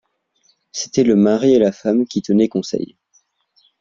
C’était le mari et la femme qui tenaient conseil.